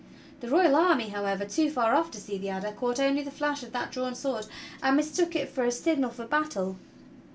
The royal army, however, too far off to see the adder, caught only the flash of that drawn sword and mistook it for a signal for battle.